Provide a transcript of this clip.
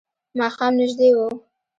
ماښام نژدې و.